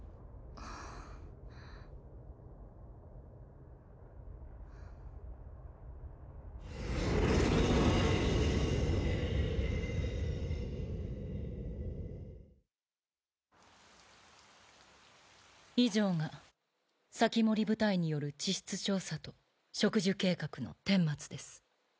ザァーー以上が防人部隊による地質調査と植樹計画の顛末です。